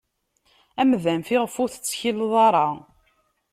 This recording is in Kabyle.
Amdan fiɣef ur tettkilleḍ ara.